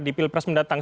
di pilpres mendatang